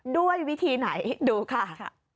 ด้วยวิธีไหนดูค่ะ